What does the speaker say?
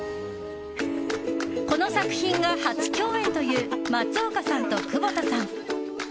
この作品が初共演という松岡さんと窪田さん。